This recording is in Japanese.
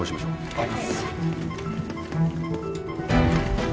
・はい。